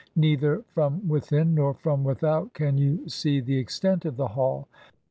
Neither from within nor from without can you see the extent of the hall.